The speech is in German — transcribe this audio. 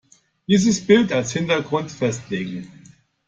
Dieses Bild als Hintergrund festlegen.